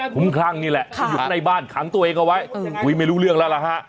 คุ้มคลั่งนี่แหละที่อยู่ในบ้านขังตัวเองเอาไว้คุยไม่รู้เรื่องแล้วล่ะฮะ